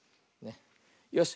よし。